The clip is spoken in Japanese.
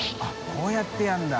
こうやってやるんだ。